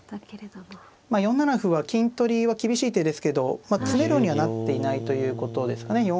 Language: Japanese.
まあ４七歩は金取りは厳しい手ですけど詰めろにはなっていないということですかね。